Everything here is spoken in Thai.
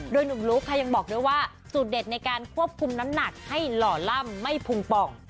โดยหนุ่มลุ๊กค่ะยังบอกด้วยว่าสูตรเด็ดในการควบคุมน้ำหนักให้หล่อล่ำไม่พุงป่อง